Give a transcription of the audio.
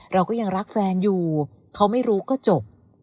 เราก็ยังรักแฟนอยู่เขาไม่รู้ก็จบ